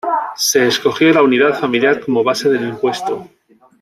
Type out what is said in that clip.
Se escogió la unidad familiar como base del impuesto.